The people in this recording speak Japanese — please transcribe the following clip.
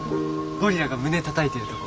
ゴリラが胸たたいてるとこ。